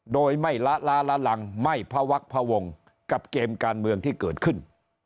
โดยไม่ละล้าละลังไม่พวักพวงกับเกมการเมืองที่เกิดขึ้น